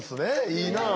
いいなあ。